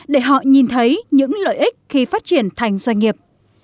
để họ nhìn thấy những lợi ích khi phát triển thành doanh nghiệp